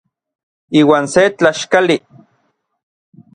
Iuan se tlaxkali.